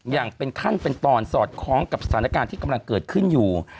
อย่างเป็นขั้นเป็นตอนสอดคล้องกับสถานการณ์ที่กำลังเกิดขึ้นอยู่